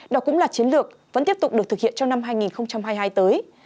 đó cũng là chiến lược vẫn tiếp tục được thực hiện trong năm hai nghìn hai mươi hai tới